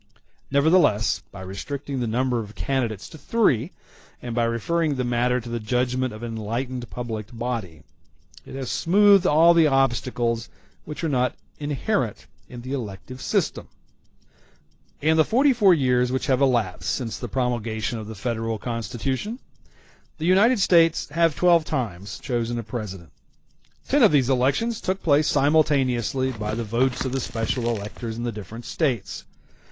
Nevertheless, by restricting the number of candidates to three, and by referring the matter to the judgment of an enlightened public body, it has smoothed all the obstacles *y which are not inherent in the elective system. y [ Jefferson, in 1801, was not elected until the thirty sixth time of balloting.] In the forty four years which have elapsed since the promulgation of the Federal Constitution the United States have twelve times chosen a President. Ten of these elections took place simultaneously by the votes of the special electors in the different States.